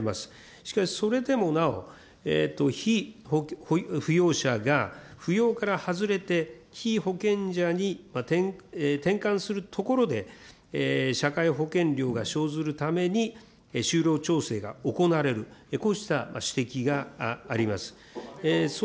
しかし、それでもなお、被扶養者が扶養から外れて、被保険者に転換するところで、社会保険料が生ずるために、就労調整が行われる、こうした指摘があります。